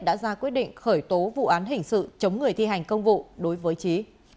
đã ra quyết định khởi tố vụ án hình sự chống người thi hành công vụ đối với trí